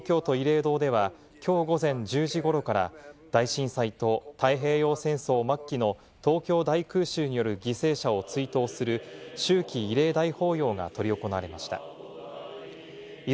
東京・墨田区にある東京都慰霊堂では、きょう午前１０時ごろから大震災と太平洋戦争末期の東京大空襲による犠牲者を追悼する秋季慰霊大法要が執り行われました。